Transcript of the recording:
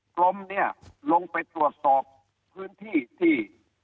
กรมเนี่ยลงไปตรวจสอบพื้นที่ที่